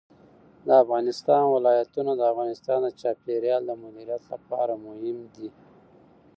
د افغانستان ولايتونه د افغانستان د چاپیریال د مدیریت لپاره مهم دي.